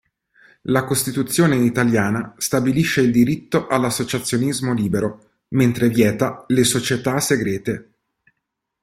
La Costituzione italiana stabilisce il diritto all'associazionismo libero, mentre vieta le società segrete.